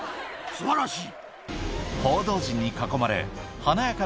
素晴らしい。